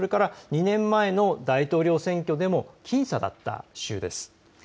それから２年前の大統領選挙でも僅差だった州です。